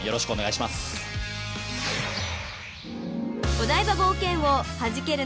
［『お台場冒険王はじける